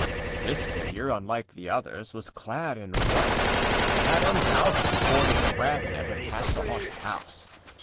This figure, unlike the others, was clad in white, and had undoubtedly boarded the wagon as it passed the haunted house.